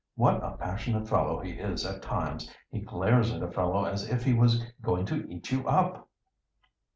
What a passionate fellow he is at times! He glares at a fellow as if he was going to eat you up!"